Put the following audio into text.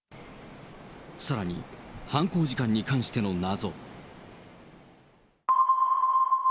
さらに犯行時間に関しての謎。